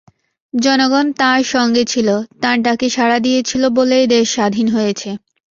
জনগণ তাঁর সঙ্গে ছিল, তাঁর ডাকে সাড়া দিয়েছিল বলেই দেশ স্বাধীন হয়েছে।